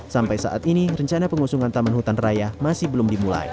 sampai saat ini rencana pengusungan taman hutan raya masih belum dimulai